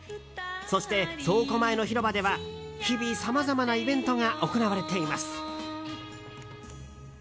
そして倉庫前の広場では日々、さまざまなイベントが行われています。